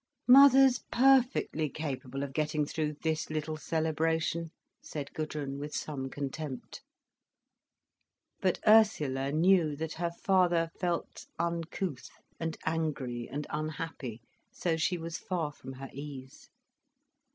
"Mother's perfectly capable of getting through this little celebration," said Gudrun with some contempt. But Ursula knew that her father felt uncouth and angry and unhappy, so she was far from her ease.